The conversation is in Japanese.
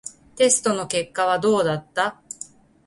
テストの結果はどうだった？